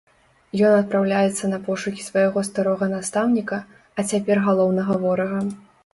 Ён адпраўляецца на пошукі свайго старога настаўніка, а цяпер галоўнага ворага.